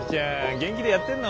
元気でやってんの？